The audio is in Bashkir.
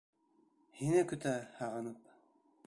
Һине көтә, һағынып...